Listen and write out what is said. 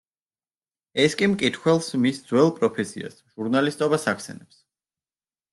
ეს კი მკითხველს მის ძველ პროფესიას – ჟურნალისტობას ახსენებს.